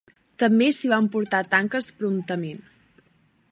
També s'hi van portar tanques promptament.